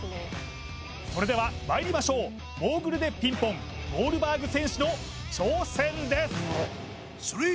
それではまいりましょうモーグルｄｅピンポンウォールバーグ選手の挑戦です